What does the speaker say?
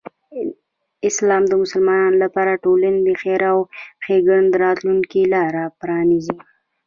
اسلام د مسلمانانو لپاره د ټولنې د خیر او ښېګڼې د راتلوونکی لاره پرانیزي.